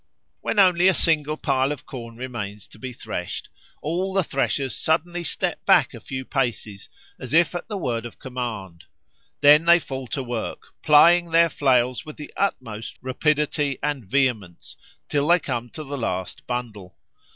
When only a single pile of corn remains to be threshed, all the threshers suddenly step back a few paces, as if at the word of command. Then they fall to work, plying their flails with the utmost rapidity and vehemence, till they come to the last bundle.